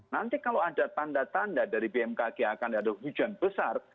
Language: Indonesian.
nanti kalau ada tanda tanda dari bmkg akan ada hujan besar